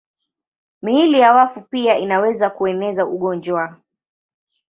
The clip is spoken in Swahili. Miili ya wafu pia inaweza kueneza ugonjwa.